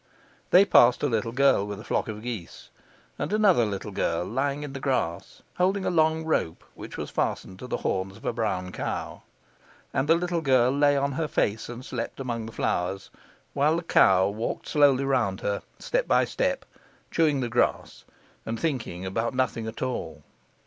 They passed a little girl with a flock of geese, and another little girl lying in the grass holding a long rope which was fastened to the horns of a brown cow. And the little girl lay on her face and slept among the flowers, while the cow walked slowly round her, step by step, chewing the grass and thinking about nothing at all.